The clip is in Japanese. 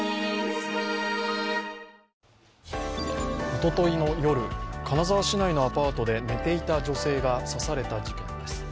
おとといの夜金沢市内のアパートで寝ていた女性が刺された事件です。